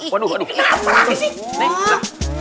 waduh kenapa lagi sih